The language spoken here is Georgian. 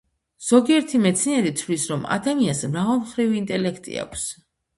ზოგიერთი მეცნიერი თვლის, რომ ადამიანს მრავალმხრივი ინტელექტი აქვს.